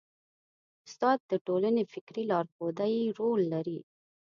استاد د ټولنې د فکري لارښودۍ رول لري.